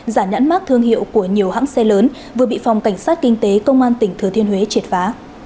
giả nhãn mát thương hiệu của nhiều hãng xe lớn vừa bị phòng cảnh sát kinh tế công an tỉnh thừa thiên huế triệt phá